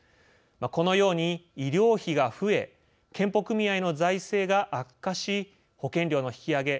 このように医療費が増え健保組合の財政が悪化し保険料の引き上げ